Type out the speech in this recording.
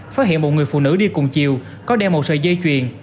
phát hiện một người phụ nữ đi cùng chiều có đeo một sợi dây chuyền